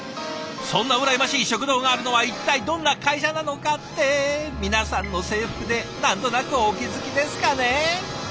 そんな羨ましい食堂があるのは一体どんな会社なのかって皆さんの制服で何となくお気付きですかね？